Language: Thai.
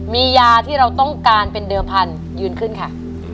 มียาที่เราต้องการเป็นเดิมพันธยืนขึ้นค่ะ